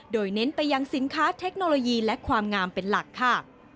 โดยเน้นไปยังสินค้าเทคโนโลยีและความงามเป็นหลักค่ะ